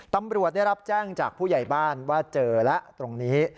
ตำรวจได้รับแจ้งจากผู้ใหญ่บ้านว่าเจอแล้วตรงนี้